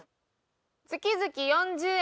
月々４０円。